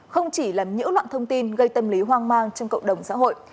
không chỉ là những loạn thông tin gây tâm lý hoang mang trong cộng đồng xã hội